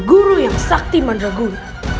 guru yang sakti mandraguna